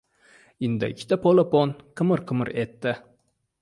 Inda ikkita polapon qimir-qimir etdi...